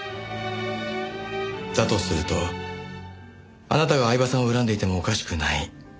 だとするとあなたが饗庭さんを恨んでいてもおかしくない。